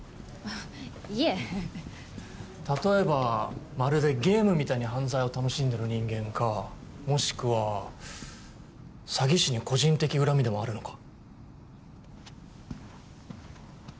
いえ例えばまるでゲームみたいに犯罪を楽しんでる人間かもしくは詐欺師に個人的恨みでもあるのか